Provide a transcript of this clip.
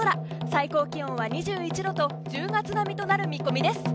最高気温は２１度と１０月並みとなる見込みです。